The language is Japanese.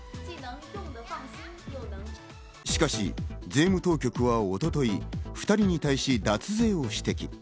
しかし税務当局は一昨日、２人に対し脱税を指摘。